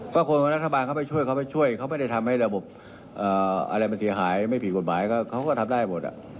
ก็คนของรัฐบาลเขาไปช่วยเขาไปช่วยเขาไม่ได้ทำให้ระบบอะไรมันเสียหายไม่ผิดกฎหมายเขาก็ทำได้หมด